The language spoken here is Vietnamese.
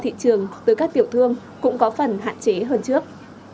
thị trường từ các tiểu thương cũng có phần hạn chế hơn trước